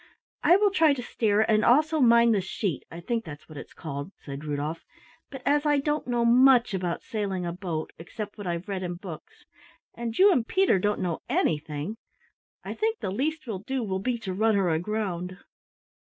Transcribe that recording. "I will try to steer and also mind the sheet, I think that's what it's called," said Rudolf, "but as I don't know much about sailing a boat except what I've read in books, and you and Peter don't know anything, I think the least we'll do will be to run her aground."